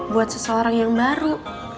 buat seseorang yang baru